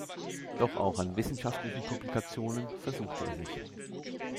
Doch auch an wissenschaftlichen Publikationen versuchte er sich.